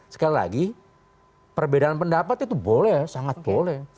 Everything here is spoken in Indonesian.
sekali lagi perbedaan pendapat itu boleh sangat boleh